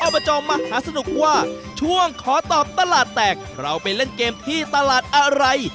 บจมหาสนุกว่าช่วงขอตอบตลาดแตกเราไปเล่นเกมที่ตลาดอะไร